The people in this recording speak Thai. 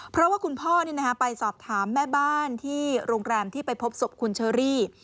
เพราะว่าคุณพ่อไปสอบถามแม่บ้านที่โรงแรมที่ไปพบศพคุณเชอรี่